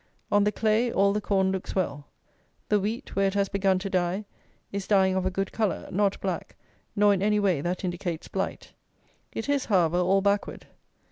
On the clay all the corn looks well. The wheat, where it has begun to die, is dying of a good colour, not black, nor in any way that indicates blight. It is, however, all backward.